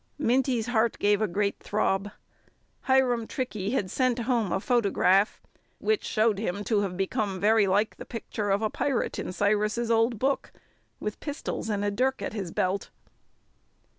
Minty's heart gave a great throb. Hiram Trickey had sent home a photograph, which showed him to have become very like the picture of a pirate in Cyrus's old book, with pistols and a dirk at his belt.